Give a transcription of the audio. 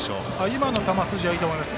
今の球筋はいいと思います。